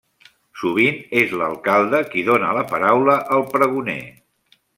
Sovint és l'alcalde qui dóna la paraula al pregoner.